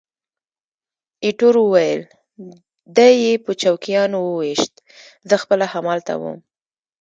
ایټور وویل: دی یې په چوکیانو وویشت، زه خپله همالته وم.